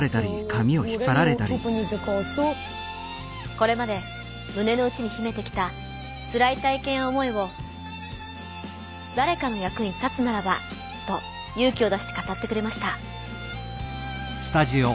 これまで胸のうちに秘めてきたつらい体験や思いを誰かの役に立つならばと勇気を出して語ってくれました。